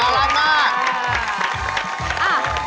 น่ารักมาก